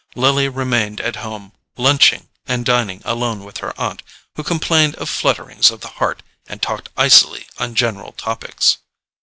Lily remained at home, lunching and dining alone with her aunt, who complained of flutterings of the heart, and talked icily on general topics.